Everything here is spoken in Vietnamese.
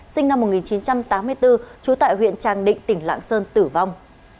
sinh năm một nghìn chín trăm tám mươi bốn trú tại huyện tràng định tỉnh lạng sơn tử vong